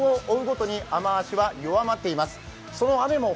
時間を追うごとに雨脚は弱まっています。